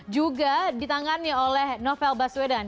juga ditangani oleh novel baswedan